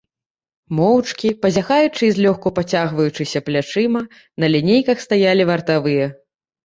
Моўчкі, пазяхаючы і злёгку пацягваючыся плячыма, на лінейках стаялі вартавыя.